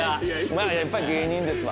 まあやっぱり芸人ですわ。